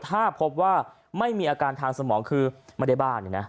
ถ้าพบว่าไม่มีอาการทางสมองคือไม่ได้บ้าน